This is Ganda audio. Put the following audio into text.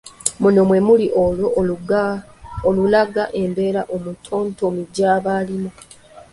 Muno mwe muli olwo olulaga embeera omutontomi gyaba alimu.